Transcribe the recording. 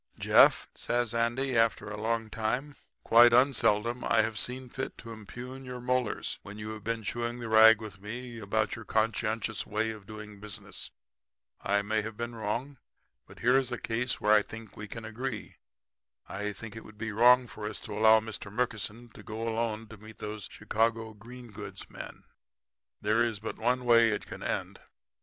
"'Jeff,' says Andy after a long time, 'quite unseldom I have seen fit to impugn your molars when you have been chewing the rag with me about your conscientious way of doing business. I may have been often wrong. But here is a case where I think we can agree. I feel that it would be wrong for us to allow Mr. Murkison to go alone to meet those Chicago green goods men. There is but one way it can end.